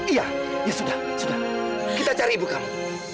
iya ya sudah sudah kita cari ibu kamu